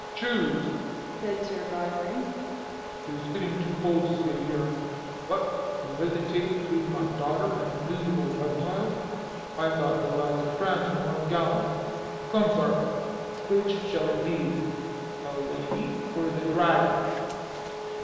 "Choose!" said Sir Godfrey. "'Tis getting too cold to stay here. What? You hesitate between my daughter and a miserable reptile? I thought the lads of France were more gallant. Come, sir! which shall it be? The lady or the Dragon?"